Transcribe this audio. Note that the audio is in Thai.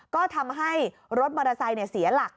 ก็ทำให้รถมอเตอร์ไซค์เสียหลัก